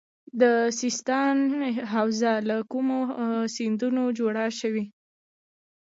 د سیستان حوزه له کومو سیندونو جوړه شوې؟